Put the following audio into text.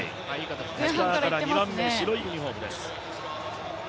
内側から２番目、白いユニフォームです。